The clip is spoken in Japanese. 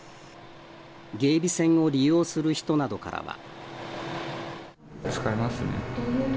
芸備線を利用する人などからは。